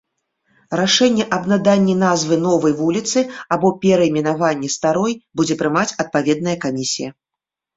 Рашэнне аб наданні назвы новай вуліцы альбо перайменаванні старой будзе прымаць адпаведная камісія.